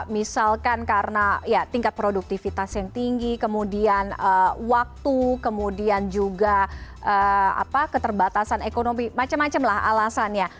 misalkan karena ya tingkat produktivitas yang tinggi kemudian waktu kemudian juga keterbatasan ekonomi macam macam lah alasannya